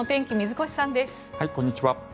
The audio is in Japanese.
こんにちは。